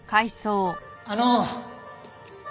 あの。